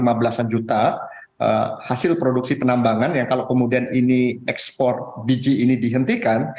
tapi kalau kita mengambil hasil produksi penambangan yang kalau kemudian ini ekspor biji ini dihentikan